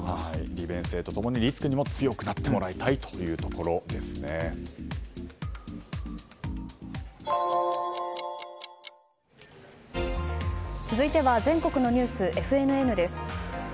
利便性と共にリスクにも強くなってもらいたい続いては全国のニュースＦＮＮです。